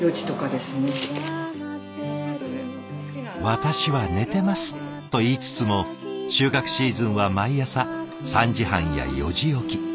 「私は寝てます」と言いつつも収穫シーズンは毎朝３時半や４時起き。